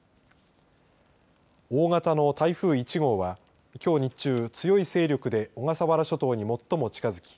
大型の台風１号はきょう日中、強い勢力で小笠原諸島に最も近づき